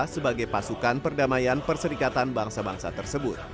sebagai pasukan perdamaian perserikatan bangsa bangsa tersebut